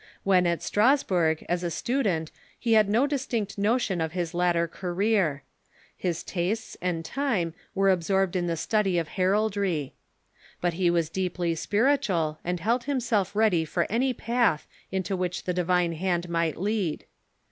When at Strasburg as 1rRengio''ulS ^ student he had no distinct notion of his later career. His tastes and time were absorbed in the study of heraldry. But he was deeply spiritual, and held himself ready for any path into which the divine hand might lead.